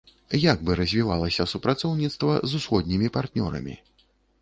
Як бы развівалася супрацоўніцтва з усходнімі партнёрамі?